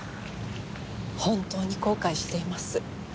本当に後悔しています。